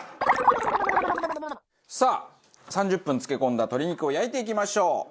さあ３０分漬け込んだ鶏肉を焼いていきましょう。